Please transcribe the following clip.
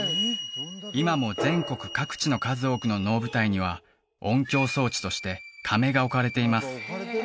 今も全国各地の数多くの能舞台には音響装置として甕が置かれています